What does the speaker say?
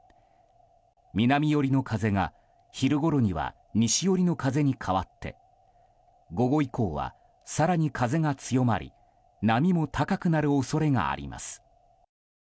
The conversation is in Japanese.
南寄りの風が昼ごろには西寄りの風に変わって午後以降は更に風が強まり波も高くなる恐れがあります。